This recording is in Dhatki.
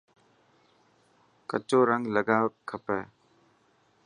ڪچو رنگ لگان کپي.